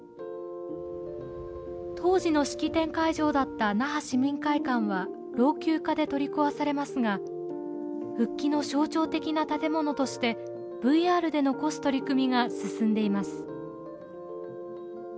当時の式典会場だった那覇市民会館は老朽化で取り壊されますが復帰の象徴的な建物としてＶＲで残す取り組みが進んでいます。